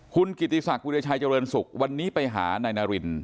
คุณกิติศักดิ์วิเตอร์ชายเจริญสุกวันนี้ไปหานายนาริน